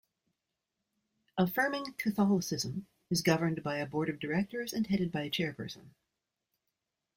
Affirming Catholicism is governed by a board of directors and headed by a chairperson.